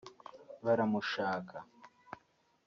“Baramushaka”